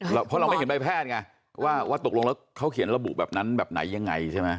เพราะเราไม่เห็นใบแพทย์ไงว่าตกลงแล้วเขาเขียนระบุแบบนั้นแบบไหนยังไงใช่ไหม